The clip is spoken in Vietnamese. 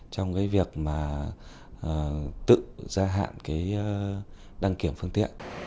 trong cái việc mà tự gia hạn cái đăng kiểm phương tiện